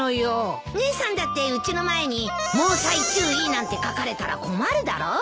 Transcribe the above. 姉さんだってうちの前に「猛妻注意」なんて書かれたら困るだろう？